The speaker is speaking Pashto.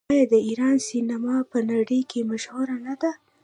آیا د ایران سینما په نړۍ کې مشهوره نه ده؟